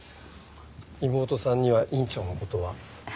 妹さんには院長の事は？